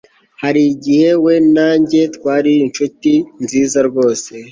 Hari igihe we na njye twari inshuti nziza rwose